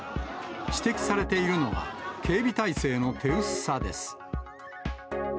指摘されているのが、警備体制の手薄さです。